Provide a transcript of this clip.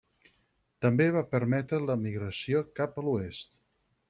També va permetre la migració cap a l'Oest.